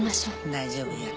大丈夫や。